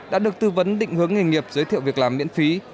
đã được tư vấn định hướng nghề nghiệp giới thiệu việc làm miễn phí